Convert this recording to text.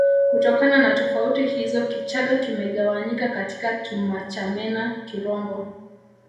Kutokana na tofauti hizo Kichagga kimegawanyika katika Kimachamena Kirombo